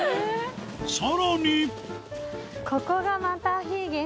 さらにへ。